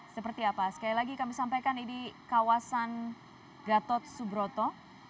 seperti apa sekali lagi kami sampaikan ini kawasan gatot subroto